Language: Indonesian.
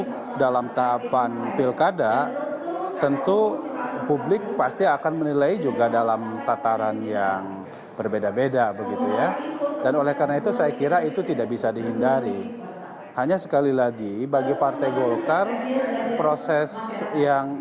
kami harus jeda dulu kang aceh nanti kami akan lanjutkan ke kang aceh langsung